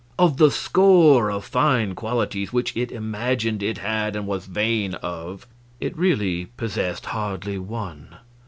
Of the score of fine qualities which it imagined it had and was vain of, it really possessed hardly one.